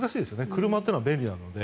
車というのは便利なので。